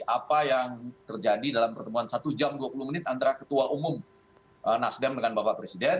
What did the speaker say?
apa yang terjadi dalam pertemuan satu jam dua puluh menit antara ketua umum nasdem dengan bapak presiden